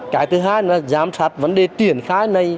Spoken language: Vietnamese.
cái thứ hai là giám sát vấn đề triển khai này